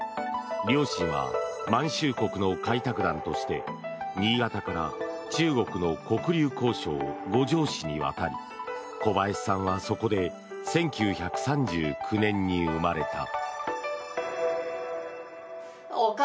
両親は満州国の開拓団として新潟から中国の黒竜江省五常市に渡り小林さんはそこで１９３９年に生まれた。